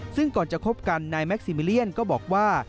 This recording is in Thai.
ซึ่งก่อนจะคบกันนายแม็กซิมิเลียนก็บอกว่า